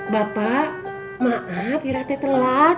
bapak maaf irah teh telat